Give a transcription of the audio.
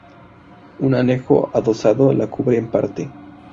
Un anejo adosado la cubre en parte.